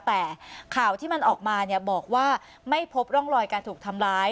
แต่ข่าวที่มันออกมาบอกว่าไม่พบร่องรอยการถูกทำร้าย